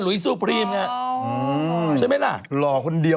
จากธนาคารกรุงเทพฯ